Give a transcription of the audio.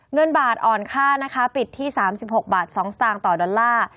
เงินบาทอ่อนค่านะคะปิดที่๓๖บาท๒สตางค์ต่อดอลลาร์